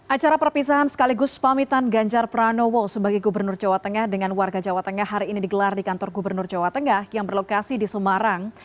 acara perpisahan sekaligus pamitan ganjar pranowo sebagai gubernur jawa tengah dengan warga jawa tengah hari ini digelar di kantor gubernur jawa tengah yang berlokasi di semarang